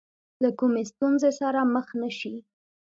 له کومې ستونزې سره مخ نه شي.